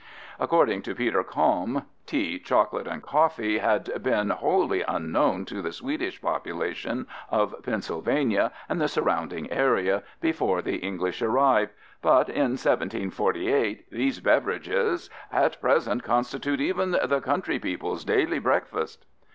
According to Peter Kalm, tea, chocolate, and coffee had been "wholly unknown" to the Swedish population of Pennsylvania and the surrounding area before the English arrived, but in 1748 these beverages "at present constitute even the country people's daily breakfast."